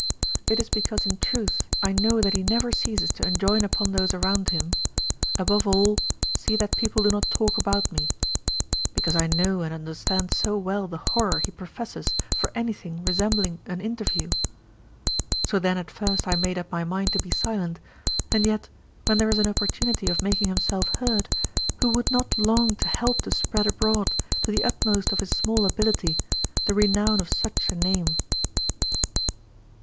It is because in truth I know that he never ceases to enjoin upon those around him, "Above all, see that people do not talk about me," because I know and understand so well the horror he professes for anything resembling an "interview." So then at first I made up my mind to be silent, and yet when there is an opportunity of making himself heard, who would not long to help to spread abroad, to the utmost of his small ability, the renown of such a name?